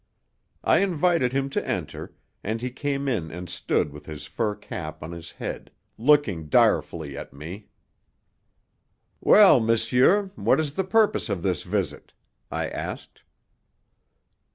I invited him to enter, and he came in and stood with his fur cap on his head, looking direfully at me. "Well, monsieur, what is the purpose of this visit?" I asked.